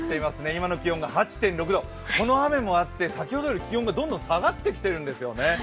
今の気温が８．６度、この雨もあって、先ほどより気温がどんどん下がってきてるんですよね。